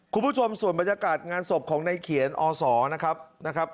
คุณผู้ชมส่วนบรรยากาศงานศพของในเขียนอศนะครับนะครับ